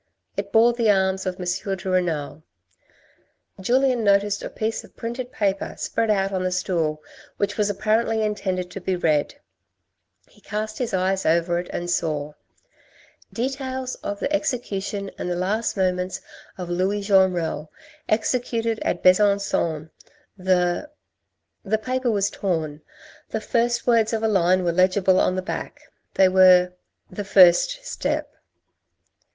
It bore the arms of M. de Renal. Julien noticed a piece of printed paper spread out on the stool, which was apparently intended to be read, he cast his eyes over it and saw :—" Details of the execution and the last moments of Louis Jenrel, executed at Besan^on the ..." The paper was torn. The two first words of a line were legible on the back, they were, " The First Step."